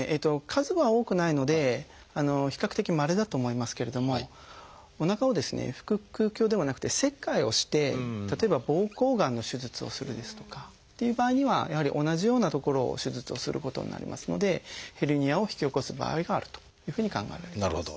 数は多くないので比較的まれだと思いますけれどもおなかをですね腹腔鏡ではなくて切開をして例えば膀胱がんの手術をするですとかっていう場合にはやはり同じような所を手術をすることになりますのでヘルニアを引き起こす場合があるというふうに考えられています。